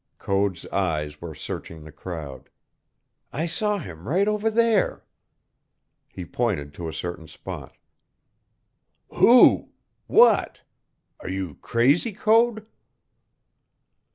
Code's eyes were searching the crowd. "I saw him right over there." He pointed to a certain spot. "Who? What? Are you crazy, Code?"